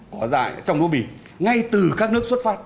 có dại trong lúa mì ngay từ các nước xuất phát